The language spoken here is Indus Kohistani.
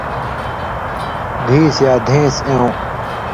دِھیس یا دھېن٘س اېوں